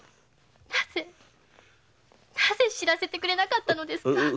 なぜ報せてくれなかったのですか？